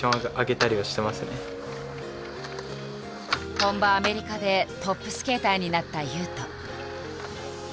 本場アメリカでトップスケーターになった雄斗。